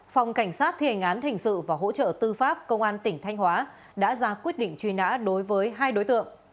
phòng cảnh sát thi hành án hình sự và hỗ trợ tư pháp công an tp thanh hóa đã ra quyết định truy nã đối với hai đối tượng